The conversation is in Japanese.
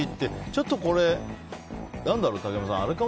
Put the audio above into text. ちょっとこれ、何だろう竹山さん。